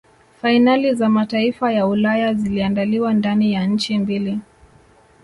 fainali za mataifa ya Ulaya ziliandaliwa ndani ya nchi mbili